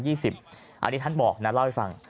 อันนี้ท่านบอกนะเล่าให้ฟัง